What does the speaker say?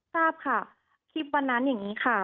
ทราบค่ะคลิปวันนั้นอย่างนี้ค่ะ